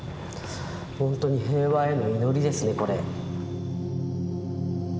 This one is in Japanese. ほんとに平和への祈りですねこれ。